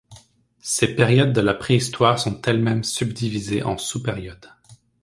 Ces périodes de la Préhistoire sont elles-mêmes subdivisées en sous-périodes.